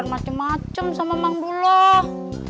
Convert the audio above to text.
bikin macam macam sama bang duluh